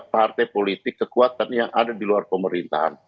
partai politik kekuatan yang ada di luar pemerintahan